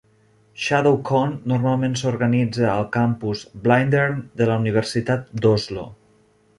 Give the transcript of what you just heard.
ShadowCon normalment s'organitza al campus "Blindern" de la Universitat d'Oslo.